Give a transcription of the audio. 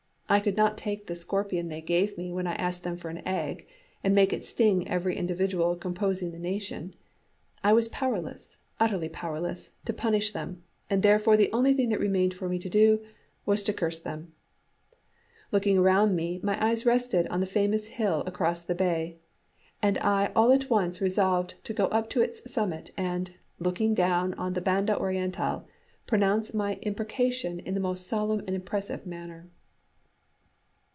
I could not take the scorpion they gave me when I asked them for an egg, and make it sting every individual composing the nation. I was powerless, utterly powerless, to punish them, and therefore the only thing that remained for me to do was to curse them. Looking around me, my eyes rested on the famous hill across the bay, and I all at once resolved to go up to its summit, and, looking down on the Banda Orientál, pronounce my imprecation in the most solemn and impressive manner.